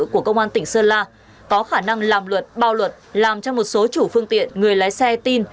của công an tỉnh sơn la có khả năng làm luật bao luật làm cho một số chủ phương tiện người lái xe tin